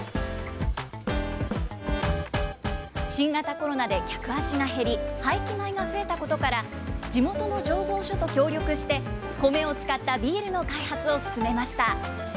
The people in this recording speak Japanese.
新型コロナで客足が減り、廃棄米が増えたことから、地元の醸造所と協力して、コメを使ったビールの開発を進めました。